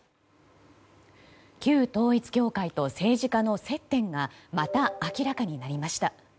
旧統一教会と政治家の接点がまた明らかになりました。